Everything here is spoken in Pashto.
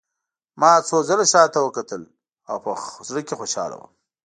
ما څو ځله شا ته کتل او په زړه کې خوشحاله وم